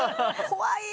怖い。